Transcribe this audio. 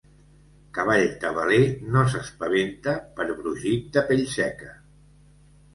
Cavall tabaler no s'espaventa per brogit de pell seca.